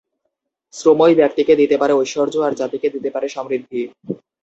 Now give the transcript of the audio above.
শ্রমই ব্যক্তিকে দিতে পারে ঐশ্বর্য আর জাতিকে দিতে পারে সমৃদ্ধি।